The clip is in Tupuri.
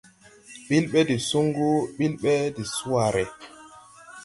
Bil ɓɛ de sungu, bil ɓɛ de sùwàare.